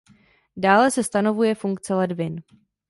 Dále se stanovuje funkce ledvin.